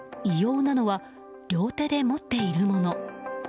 異様なのは両手で持っているもの。